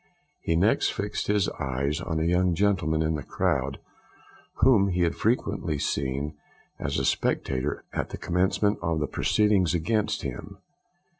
He next fixed his eyes on a young gentleman in the crowd, whom he had frequently seen as a spectator at the commencement of the proceedings against him.